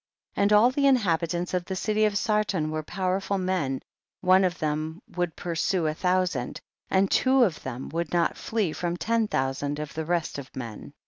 50. And all the inhabitants of the city of Sarton were powerful men, one of them would pursue a thou sand, and two of them would not flee from ten thousand of the rest of men.